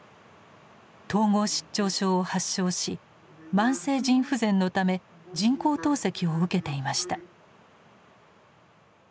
統合失調症を発症し慢性腎不全のため人工透析を受けていました。